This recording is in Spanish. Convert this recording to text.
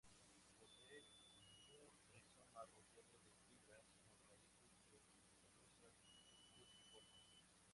Posee un rizoma rodeado de fibras, con raíces tuberosas fusiformes.